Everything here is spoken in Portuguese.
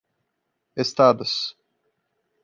Estados